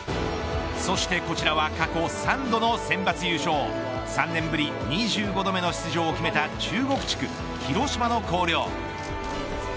そしてこちらは過去３度のセンバツ優勝３年ぶり２５度目の出場を決めた中国地区、広島の広陵。